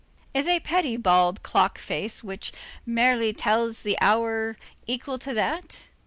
Is a petty bald clock face which merely tells the hour equal to that?